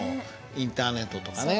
インターネットとかね